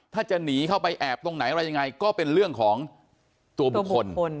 ถ้าจะหนีเข้าไปแอบตรงไหนอะไรยังไงก็เป็นเรื่องของตัวบุคคล